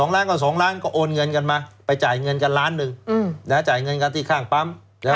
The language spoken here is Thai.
๒ล้านก็๒ล้านก็โอนเงินกันมาไปจ่ายเงินกันล้านหนึ่งจ่ายเงินกันที่ข้างปั๊ม